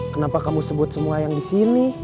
kenapa kamu sebut semua yang di sini